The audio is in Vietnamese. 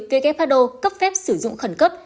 who cấp phép sử dụng khẩn cấp